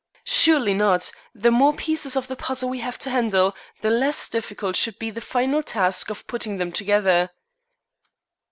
"Surely not! The more pieces of the puzzle we have to handle the less difficult should be the final task of putting them together."